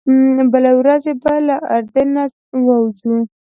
بله ورځ به له اردن نه هم ووځو.